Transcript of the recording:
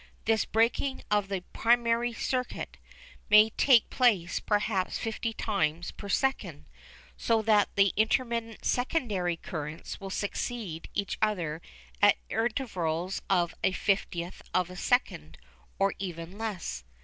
This breaking of the "primary" circuit may take place perhaps fifty times per second, so that the intermittent "secondary" currents will succeed each other at intervals of a fiftieth of a second, or even less.